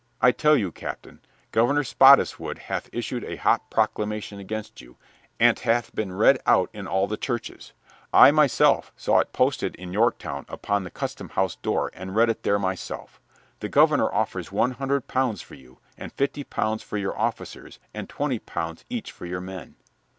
I tell you, Captain, Governor Spottiswood hath issued a hot proclamation against you, and 't hath been read out in all the churches. I myself saw it posted in Yorktown upon the customhouse door and read it there myself. The governor offers one hundred pounds for you, and fifty pounds for your officers, and twenty pounds each for your men."